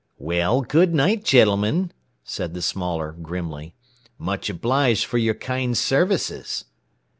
"Well, good night, gentlemen," said the smaller, grimly. "Much obliged for your kind services."